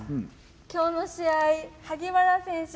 きょうの試合、萩原選手